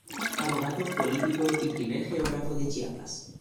Abogado, político y primer geógrafo de Chiapas.